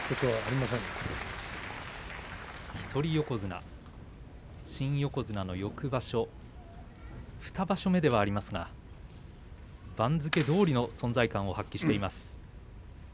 一人横綱新横綱の翌場所２場所目ではありますが番付以上の存在感を発揮しています。